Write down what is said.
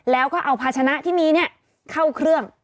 แล้วก็เอาภาชนะที่มีเข้าเครื่อง